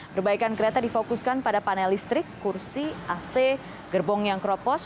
perbaikan kereta difokuskan pada panel listrik kursi ac gerbong yang keropos